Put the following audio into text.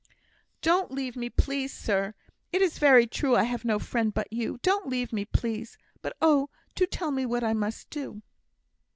"Don't leave me, please, sir. It is very true I have no friend but you. Don't leave me, please. But, oh! do tell me what I must do!"